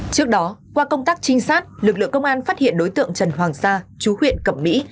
trước đó qua công tác trinh sát lực lượng công an phát hiện đối tượng trần hoàng sa chú huyện cẩm mỹ